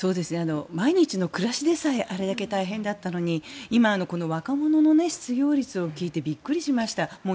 毎日の暮らしでさえあれだけ大変だったのに今、若者の失業率を聞いてびっくりしました。